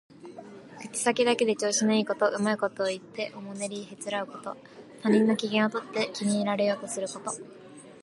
口先だけで調子のいいこと、うまいことを言っておもねりへつらうこと。他人の機嫌をとって気に入られようとすること。